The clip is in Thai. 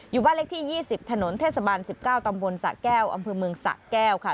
บ้านเลขที่๒๐ถนนเทศบาล๑๙ตำบลสะแก้วอำเภอเมืองสะแก้วค่ะ